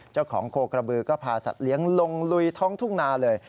โคกระบือก็พาสัตว์เลี้ยงลงลุยท้องทุ่งนาเลย